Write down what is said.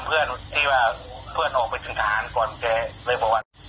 เพื่อนที่ว่าเพื่อนออกไปจึงสถานกว่าเจะโดยประวัติ